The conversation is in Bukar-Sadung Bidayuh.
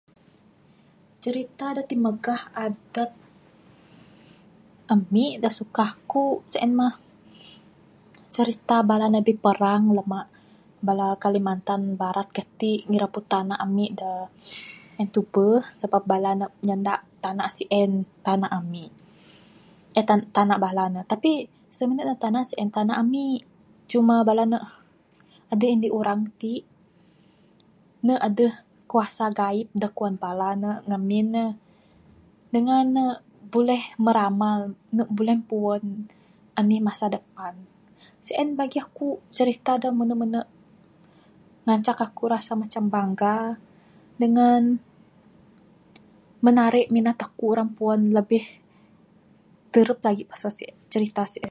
Cerita da timagah adat amik da' suka akuk sien mah, cerita bala ne biparang lamak bala Kalimantan Barat gatik ngirabut tanak amik da Entibuh sebab bala ne nyandak tanah sien tanak amik, eh tanak bala ne. Tapi simenu ne tanak sien tanak amik. Cuma bala ne, aduh indik urang tik, ne' aduh kuasa ghaib kuan bala ne ngamin ne. Dengan ne buleh meramal, ne buleh m'puan anih masa depan. Sien bagi akuk cerita da menu-menu ngancak akuk rasa macam bangga dengan menarik minat akuk ra mpuan lebih terup lagik pasal cerita sien.